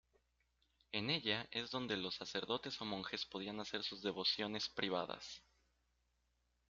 En ella es donde los sacerdotes o monjes podían hacer sus devociones privadas.